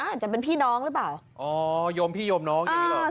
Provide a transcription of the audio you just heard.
อาจจะเป็นพี่น้องหรือเปล่าอ๋อโยมพี่โยมน้องอย่างนี้หรอ